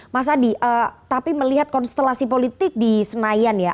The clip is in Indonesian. mas adi tapi melihat konstelasi politik di senayan ya